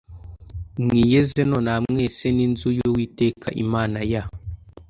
mwiyeze nonaha mweze n inzu y uwiteka imana ya